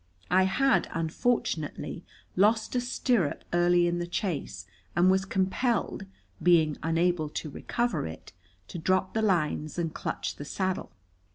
I had, unfortunately, lost a stirrup early in the chase, and was compelled, being unable to recover it, to drop the lines and clutch the saddle.